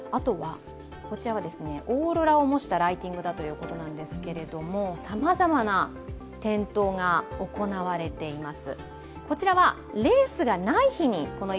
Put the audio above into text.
こちらはオーロラを模したライティングだということですが、様々な点灯が行われています。